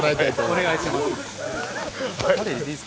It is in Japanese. お願いします。